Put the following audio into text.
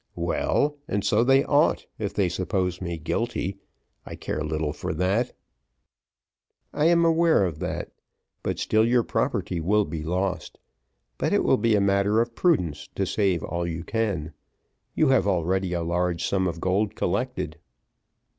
"Well, and so they ought, if they suppose me guilty; I care little for that." "I am aware of that; but still your property will be lost; but it will be but a matter of prudence to save all you can: you have already a large sum of gold collected."